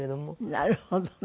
なるほどね。